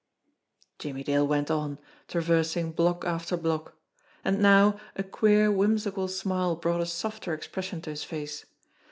Jimmie Dale went on, traversing block after block. And now a queer, whimsical smile brought a softer expression to his face.